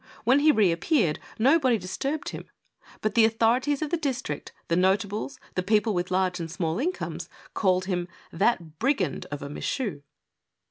When he reappeared nobody disturbed him. But the authorities of the district, the notables, the people with large and small incomes, called him that brigand of a Michu.